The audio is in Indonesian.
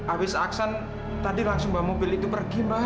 abis aksan tadi langsung bawa mobil itu pergi mas